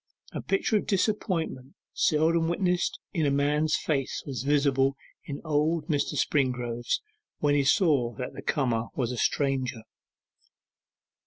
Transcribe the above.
A picture of disappointment seldom witnessed in a man's face was visible in old Mr. Springrove's, when he saw that the comer was a stranger.